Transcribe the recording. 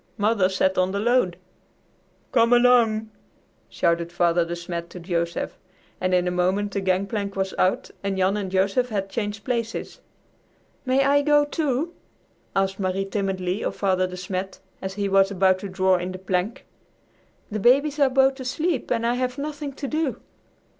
Mother sat on the load." "Come along!" shouted Father De Smet to Joseph, and in a moment the gangplank was out and Jan and Joseph had changed places. "May I go, too?" asked Marie timidly of Father De Smet as he was about to draw in the plank. "The babies are both asleep and I have nothing to do."